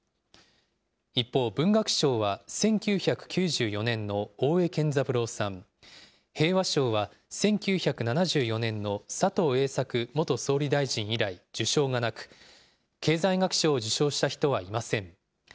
一方、文学賞は１９９４年の大江健三郎さん、平和賞は１９７４年の佐藤栄作元総理大臣以来受賞がなく、経済学賞を受賞した人はいません。